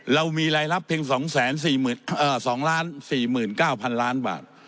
เรามีรายรับเพียง๒๔๙๐๐ล้านบาท